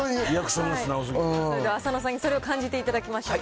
それでは浅野さんにそれを感じていただきましょう。